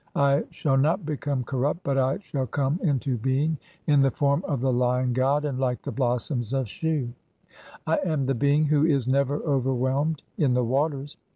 I shall "not become corrupt (41), but I shall come into being in the "form of the Lion god and like the blossoms of Shu ; I am the "being who is never overwhelmed in the waters.